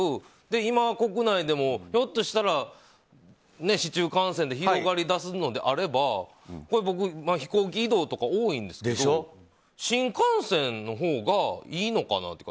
今、国内でもひょっとしたら市中感染で広がりだすなら僕、飛行機移動とか多いんですけど新幹線のほうが、いいのかなとか。